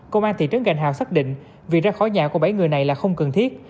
công an thị trấn gành hào xác định việc ra khỏi nhà của bảy người này là không cần thiết